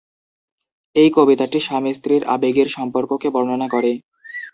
এই কবিতাটি স্বামী-স্ত্রীর আবেগের সম্পর্ককে বর্ণনা করে।